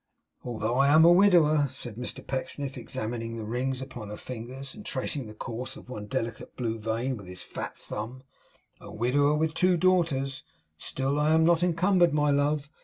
'Although I am a widower,' said Mr Pecksniff, examining the rings upon her fingers, and tracing the course of one delicate blue vein with his fat thumb, 'a widower with two daughters, still I am not encumbered, my love.